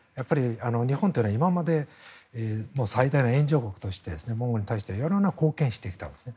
日本というのは今まで最大の援助国としてモンゴルに対しては色んな功績をしてきたんですね。